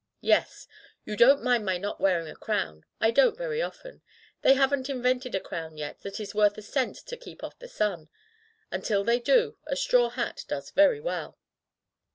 "Yes. You don't mind my not wearing a crown ? I don't very often. They haven't in vented a crown yet that is worth a cent to keep off the sun; and till they do, a straw hat does very well."